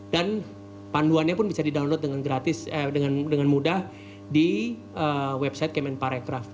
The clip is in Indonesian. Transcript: dan panduannya pun bisa didownload dengan mudah di website kemen pariwisata